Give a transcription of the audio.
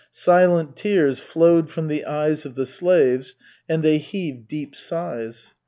Silent tears flowed from the eyes of the slaves, and they heaved deep sighs.